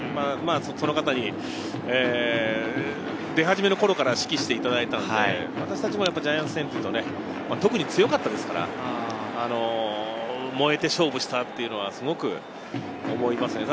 その方に出始めの頃から指揮していただいたので、私たちもジャイアンツ戦というと、特に強かったですから、燃えて勝負したっていうのはすごく思いますね。